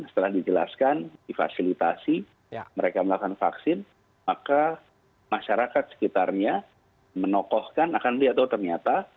setelah dijelaskan difasilitasi mereka melakukan vaksin maka masyarakat sekitarnya menokohkan akan melihat oh ternyata